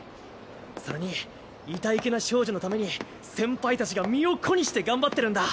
それにいたいけな少女のために先輩たちが身を粉にして頑張ってるんだ。